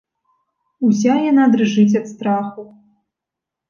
Уся яна дрыжыць ад страху.